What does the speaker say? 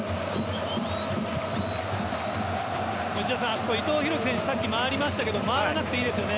内田さん、伊藤洋輝選手がさっき回りましたけど回らなくていいですよね